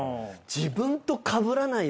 自分とかぶらないように。